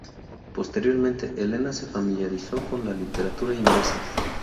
Posteriormente, Elena se familiarizó con la literatura inglesa.